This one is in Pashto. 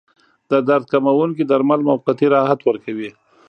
د درد کموونکي درمل موقتي راحت ورکوي.